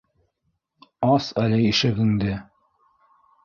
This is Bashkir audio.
Ас әле ишегеңде.